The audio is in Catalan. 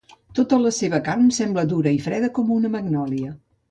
Tota la seva carn sembla dura i freda com una magnòlia.